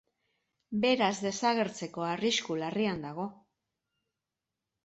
Beraz desagertzeko arrisku larrian dago.